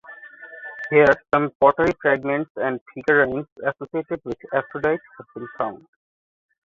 Here some pottery fragments and figurines associated with Aphrodite have been found.